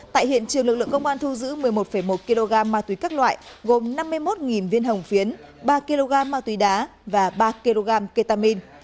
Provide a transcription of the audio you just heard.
tại hiện trường lực lượng công an thu giữ một mươi một một kg ma túy các loại gồm năm mươi một viên hồng phiến ba kg ma túy đá và ba kg ketamine